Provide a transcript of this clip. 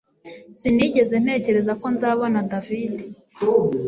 Sinigeze ntekereza ko nzabona David